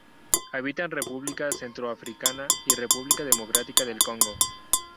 Habita en República Centroafricana y República Democrática del Congo.